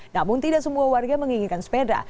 namun tidak semua warga menginginkan sepeda